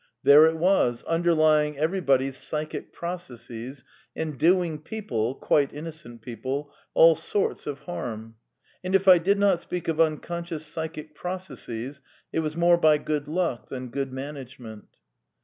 There it was, under lying everybody's psychic processes, and doing people — quite innocent people — all sorts of harm. And if I did not speak of unconscious psychic processes it was more by good luck than good management.